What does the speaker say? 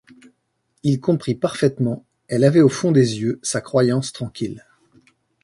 Il comprit parfaitement, elle avait au fond des yeux sa croyance tranquille.